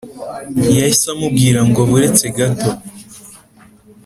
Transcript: Yahise amubwira ngo buretse gato